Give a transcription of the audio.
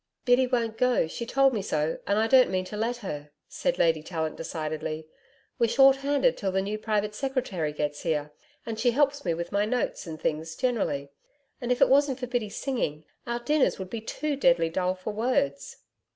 'Biddy won't go, she told me so, and I don't mean to let her,' said Lady Tallant decidedly. 'We're short handed till the new Private Secretary gets here, and she helps me with my notes and things generally. And if it wasn't for Biddy's singing, our dinners would be too deadly dull for words.'